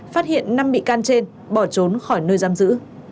phát hiện năm bị can trên bỏ trốn khỏi nơi giam giữ